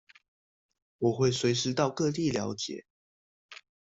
我會隨時到各地了解